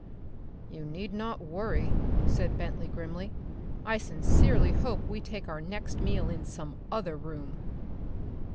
"You need not worry," said Bentley grimly. "I sincerely hope we take our next meal in some other room."